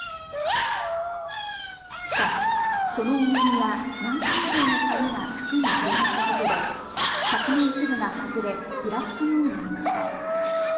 しかし、その重みや南京錠のさびが柵に広がったことで柵の一部が外れぐらつくようになりました。